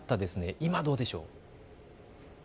今、どうでしょう。